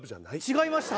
違いました？